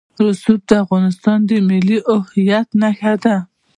رسوب د افغانستان د ملي هویت نښه ده.